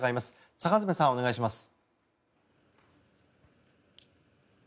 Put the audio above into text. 坂詰さん、お願いします。